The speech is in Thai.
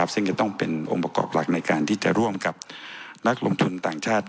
ซึ่งจะต้องเป็นองค์ประกอบหลักในการที่จะร่วมกับนักลงทุนต่างชาติ